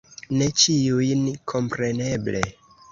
Ne ĉiujn, kompreneble.